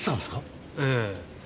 ええ。